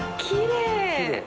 きれい。